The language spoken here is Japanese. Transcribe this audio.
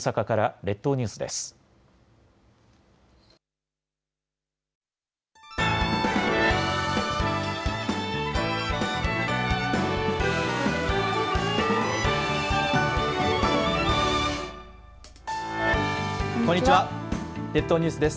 列島ニュースです。